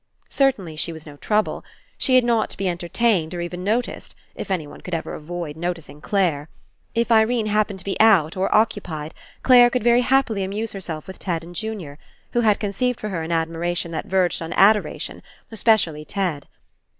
Certainly she was no trouble. She had not to be entertained, or even noticed — if any one could ever avoid noticing Clare. If Irene happened to be out or occupied, Clare could very happily amuse herself with Ted and Junior, who had conceived for her an admira tion that verged on adoration, especially Ted.